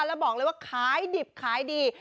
แล้วบอกเลยว่าขายดิบขายดี